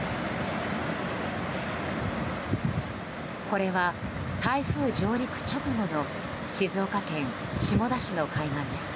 これは台風上陸直後の静岡県下田市の海岸です。